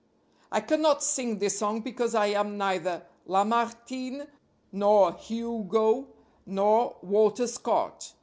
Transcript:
I cannot sing this song, because I am neither Lamartine, nor Hugo, nor Walter Scott.